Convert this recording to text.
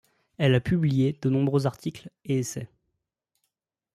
Elle a publié de nombreux articles et essais.